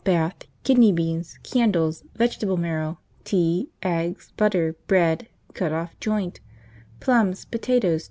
Bath. Kidney beans. Candles. Vegetable marrow. Tea. Eggs. Butter. Bread. Cut off joint. Plums. Potatoes.